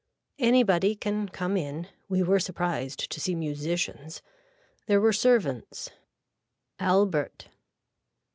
Anybody can come in. We were surprised to see musicians. There were servants. (Albert.)